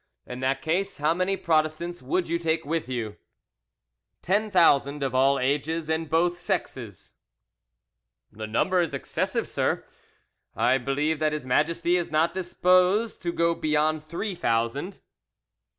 In that case, how many Protestants would you take with you?" "Ten thousand of all ages and both sexes." "The number is excessive, sir. I believe that His Majesty is not disposed to go beyond three thousand."